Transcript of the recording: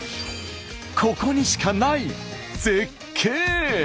ここにしかない絶景。